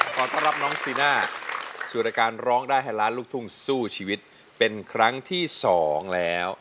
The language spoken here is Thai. ขอต้อนรับน้องจีน่าสู่รายการร้องได้ให้ล้านลูกทุ่งสู้ชีวิตเป็นครั้งที่๒แล้ว